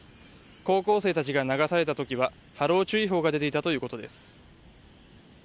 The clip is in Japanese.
高校生たちが流された時は波浪注意報が出ていたということです。